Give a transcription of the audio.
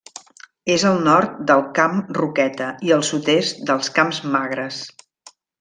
És al nord del Camp Roqueta i al sud-est dels Camps Magres.